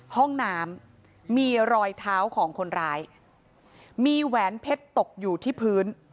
ห้องน้ำมีรอยเท้าของคนร้ายมีแหวนเพชรตกอยู่ที่พื้น